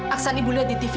aksan ibu lihat di tv